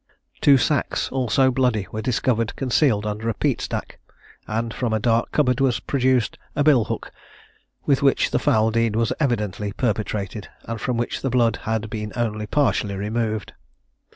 Two sacks, also bloody, were discovered concealed under a peat stack, and from a dark cupboard was produced a bill hook with which the foul deed was evidently perpetrated, and from which the blood had been only partially removed.